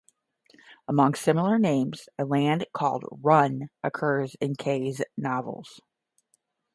Among other similar names, a land called "Run" occurs in Kay's novels.